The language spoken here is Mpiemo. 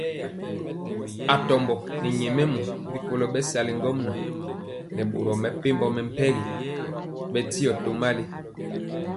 Atɔmbɔ nɛ nyɛmemɔ rikolo bɛsali ŋgomnaŋ nɛ boro mepempɔ mɛmpegi bɛndiɔ tomali.